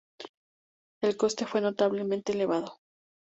El coste fue notablemente elevado.